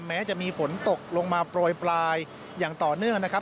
แม้จะมีฝนตกลงมาโปรยปลายอย่างต่อเนื่องนะครับ